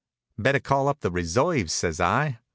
"Better call up the reserves," says I.